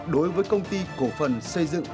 đối với công ty cổ phần xây dựng